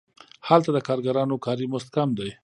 هلته د کارګرانو کاري مزد کم دی